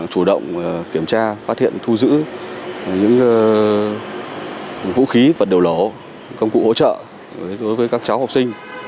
chủ động kiểm tra phát hiện thu giữ những vũ khí vật liệu nổ công cụ hỗ trợ đối với các cháu học sinh